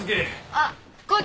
あっ！